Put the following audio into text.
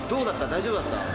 大丈夫だった？